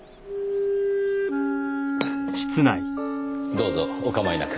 どうぞおかまいなく。